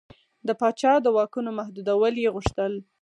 د پاچا د واکونو محدودول یې غوښتل.